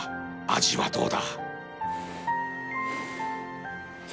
味はどうだ